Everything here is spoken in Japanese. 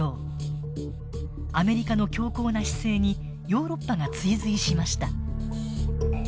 アメリカの強硬な姿勢にヨーロッパが追随しました。